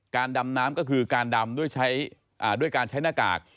ดำน้ำก็คือการดำด้วยการใช้หน้ากาก